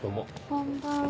こんばんは。